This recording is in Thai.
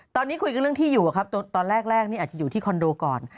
ตอนนี้คุยกันเรื่องที่อยู่ครับตอนแรกนี่อาจจะอยู่ที่คอนโดก่อน